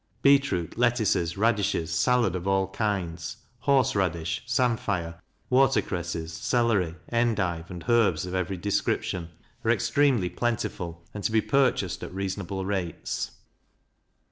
Beet root, lettuces, raddishes, sallad of all kinds, horse raddish, samphire, watercresses, celery, endive, and herbs of every description, are extremely plentiful, and to be purchased at reasonable rates.